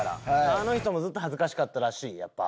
あの人もずっと恥ずかしかったらしいやっぱ。